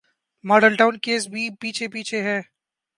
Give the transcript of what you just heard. Model town case بھی پیچھے پیچھے ہے۔